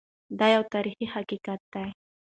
دا یو تاریخي حقیقت دی.